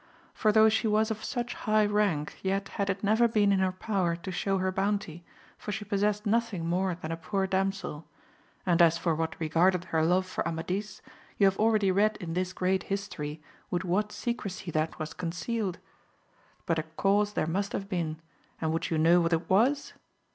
For though she was of such high rank, yet had it never been in her power to show her bounty, for she possessed nothing more than a poor damsel, and as for what regarded her love for Amadis you have already read in this great history with what secrecy that was concealed. But a cause there must have been, and would you know what it was